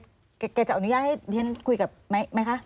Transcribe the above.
แกจะอนุญาตให้เรียนคุยกับไหมคะ